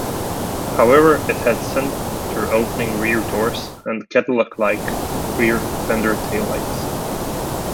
However it had center-opening rear doors and Cadillac-like rear fender taillights.